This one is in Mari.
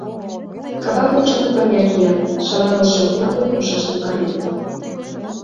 Кабак ончылно пырня кия, шаланылше окна-влак умшаштым кареныт...